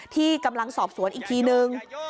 ที่กำลังสอบสวนอีกทีนึง